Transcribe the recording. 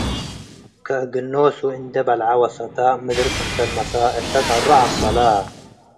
ከእግል ኖሱ እንዶ በልዐ ወሰተ ምድር ክምሰል መሰ፣ እተ ጸሩ' ዐቅበለ።